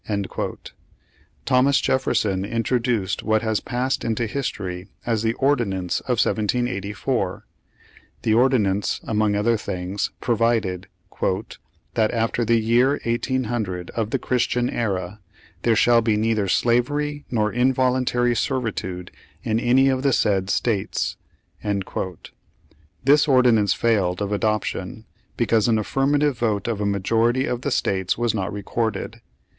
Thomas Jefferson introduced what has passed into history as the Ordinance of 1784. The ordinance among other things provided "That after the year 1800 of the Christian era, there shall be neither slavery nor involuntary servitude in any of the said states." This ordinance failed of adoption because an affirmative vote of a majority of the states was not recorded.